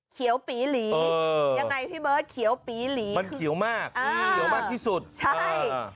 เขียวปีหลียังไงพี่เบิร์ตเขียวปีหลีมันเขียวมากอ่าเขียวมากที่สุดใช่